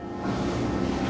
oh apa lu mau